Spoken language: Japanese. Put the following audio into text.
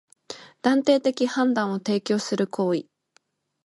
断定的判断を提供する行為